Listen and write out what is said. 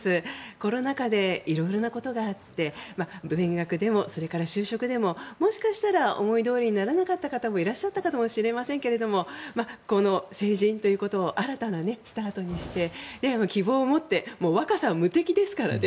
コロナ禍で色々なことがあって勉学でも就職でももしかしたら思いどおりにならなかった方もいらっしゃったかもしれませんがこの成人ということを新たなスタートにして希望を持って若さは無敵ですからね。